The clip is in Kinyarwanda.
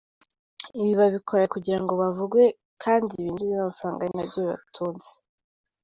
Ibi babikora kugirango bavugwe kandi binjize n’amafaranga, ari nabyo bibatunze.